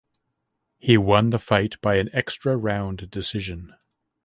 He won the fight by an extra round decision.